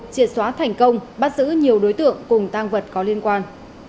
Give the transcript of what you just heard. triệt xóa thành công bắt giữ nhiều đối tượng cùng tăng vật có liên quan